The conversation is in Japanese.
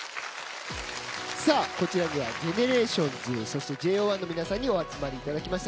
こちらにはＧＥＮＥＲＡＴＩＯＮＳそしてＪＯ１の皆さんにお集まりいただきました。